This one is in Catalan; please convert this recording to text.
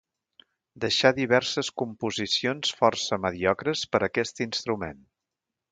Deixà diverses composicions força mediocres per aquest instrument.